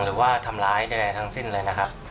หรือว่าทำร้ายใดทั้งสิ้นเลยนะครับ